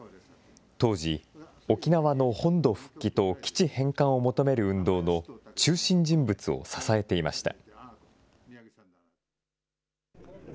当時、沖縄の本土復帰と基地返還を求める運動の中心人物を支えていました。